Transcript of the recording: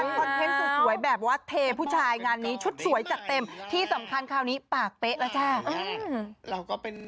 เทนต์สวยแบบว่าเทผู้ชายงานนี้ชุดสวยจัดเต็มที่สำคัญคราวนี้ปากเป๊ะแล้วจ้า